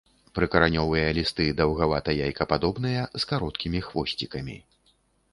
Прыкаранёвыя лісты даўгавата-яйкападобныя, з кароткімі хвосцікамі.